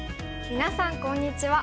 みなさんこんにちは。